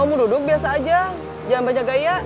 kamu duduk biasa aja jangan banyak gaya